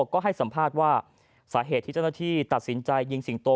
ก็ให้สัมภาษณ์ว่าสาเหตุที่เจ้าหน้าที่ตัดสินใจยิงสิงโต